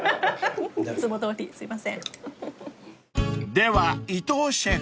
［では伊藤シェフ］